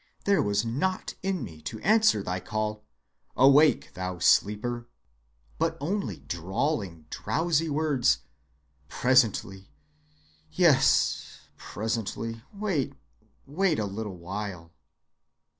There was naught in me to answer thy call, 'Awake, thou sleeper,' but only drawling, drowsy words, 'Presently; yes, presently; wait a little while.